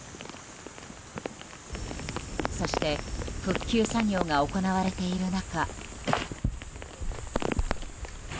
そして復旧作業が行われている中。